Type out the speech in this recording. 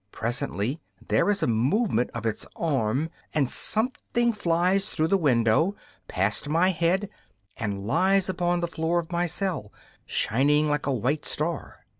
Presently there is a movement of its arm, and something flies through the window, past my head, and lies upon the floor of my cell, shining like a white star.